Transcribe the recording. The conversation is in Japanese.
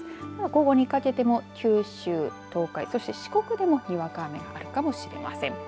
午後にかけても九州、東海そして四国でもにわか雨があるかもしれません。